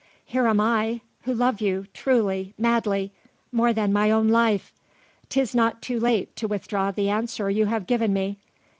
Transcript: Here am I, who love you, truly madly more than my own life! 'Tis not too late to withdraw the answer you have given me.